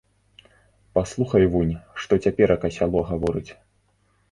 Паслухай вунь, што цяперака сяло гаворыць.